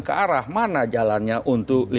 kearah mana jalannya untuk